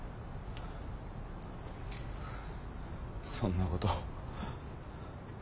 そんなこと。